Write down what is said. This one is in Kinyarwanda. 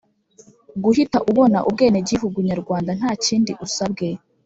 guhita ubona ubwenegihugu nyarwanda nta kindi usabwe.